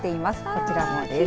こちらもです。